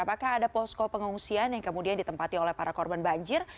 apakah ada posko pengungsian yang kemudian ditempati oleh para korban banjir